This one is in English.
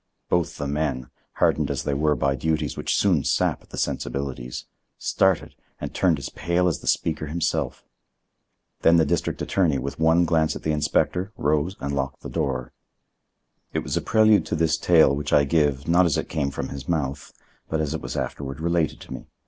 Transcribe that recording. Both the men, hardened as they were by duties which soon sap the sensibilities, started and turned as pale as the speaker himself. Then the district attorney, with one glance at the inspector, rose and locked the door. It was a prelude to this tale which I give, not as it came from his mouth, but as it was afterward related to me.